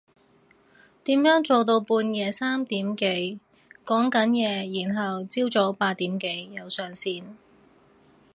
點樣做到半夜三點幾講緊嘢然後朝早八點幾又上線？